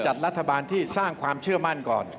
จัดรัฐบาลที่สร้างความเชื่อมั่นก่อน